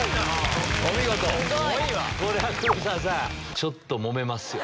ちょっとモメますよ。